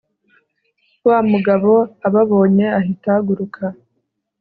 wamugabo ababonye ahita ahaguruka